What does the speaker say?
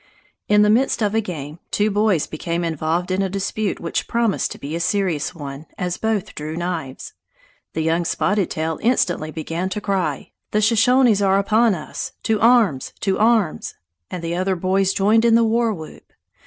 In the midst of a game, two boys became involved in a dispute which promised to be a serious one, as both drew knives. The young Spotted Tail instantly began to cry, "The Shoshones are upon us! To arms! to arms!" and the other boys joined in the war whoop.